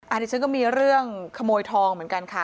อันนี้ฉันก็มีเรื่องขโมยทองเหมือนกันค่ะ